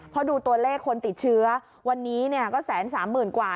เพราะดูตัวเลขคนติดเชื้อวันนี้ก็๑๓๐๐๐กว่า